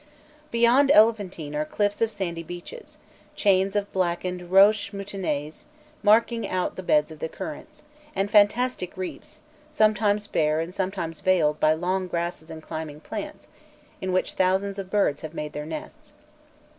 Beyond Elephantine are cliffs and sandy beaches, chains of blackened "roches moutonnées" marking out the beds of the currents, and fantastic reefs, sometimes bare and sometimes veiled by long grasses and climbing plants, in which thousands of birds have made their nests.